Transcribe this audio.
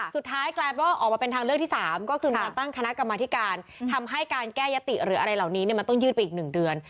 สุดท้ายกลายเป็นว่าออกมาเป็นทางเลือกที่๓ก็คือมีการตั้งคณะกรรมธิการทำให้การแก้ยติหรืออะไรเหล่านี้เนี่ยมันต้องยืดไปอีก๑เดือน